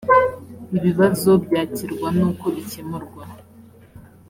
ibibazo byakirwa n uko bikemurwa